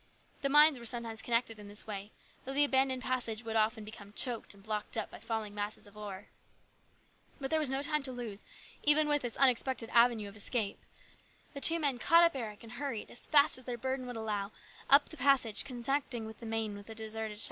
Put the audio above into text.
The mines were sometimes connected in this way, though the abandoned passage would often become choked and blocked up by falling masses of ore. But there was no time to lose, even with this unexpected avenue of escape. The two men caught up Eric and hurried, as fast as their burden would allow, up the passage connecting the main with the deserted shaft.